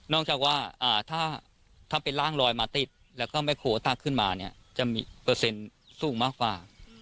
จากว่าถ้าเป็นร่างลอยมาติดแล้วก็แม่โคตักขึ้นมาเนี่ยจะมีเปอร์เซ็นต์สูงมากกว่า